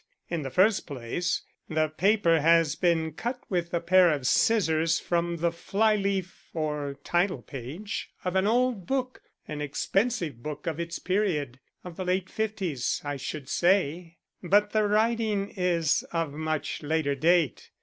In the first place, the paper has been cut with a pair of scissors from the fly leaf or title page of an old book an expensive book of its period, of the late fifties, I should say but the writing is of much later date.